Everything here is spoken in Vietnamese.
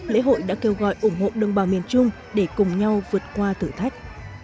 lễ hội đã kêu gọi ủng hộ đồng bào miền trung để cùng nhau vượt qua thử thách